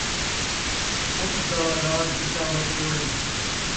اُٹھ دا لاݙ کچاوا تروڑے